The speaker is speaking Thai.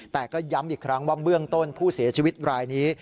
แต่ก็ย้ำอีกครั้งว่าเบื้องต้นผู้เสียชีวิตรายนี้